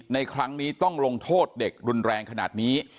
ในครั้งนี้ต้องลงโทษเด็กรุนแรงขนาดนี้